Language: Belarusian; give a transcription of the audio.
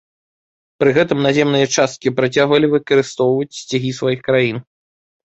Пры гэтым наземныя часткі працягвалі выкарыстаць сцягі сваіх краін.